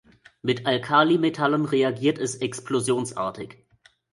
Mit Alkalimetallen reagiert es explosionsartig.